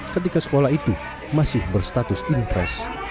ketika sekolah itu masih berstatus impres